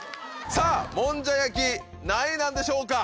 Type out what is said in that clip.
さぁもんじゃ焼き何位なんでしょうか？